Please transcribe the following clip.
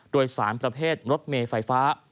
โดยสารประเภทรถเมย์ไฟฟ้า